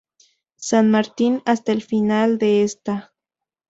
San Martín hasta el final de esta.